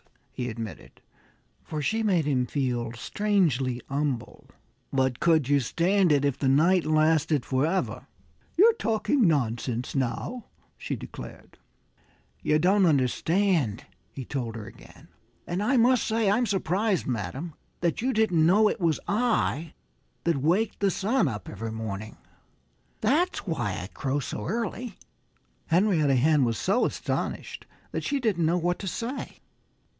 he admitted for she made him feel strangely humble. "But could you stand it if the night lasted forever?" "You're talking nonsense now," she declared. "You don't understand," he told her again. "And I must say I'm surprised, madam, that you didn't know it was I that waked the sun up every morning. That's why I crow so early." Henrietta Hen was so astonished that she didn't know what to say.